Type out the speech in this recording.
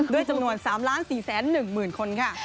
ด้วยจำนวน๓๔๑๐๐๐คนค่ะ